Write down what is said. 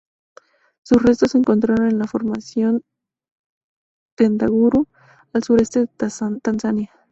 Sus restos se encontraron en la Formación Tendaguru, al sureste de Tanzania.